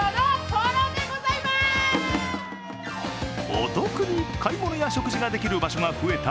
お得に買い物や食事できる場所が増えた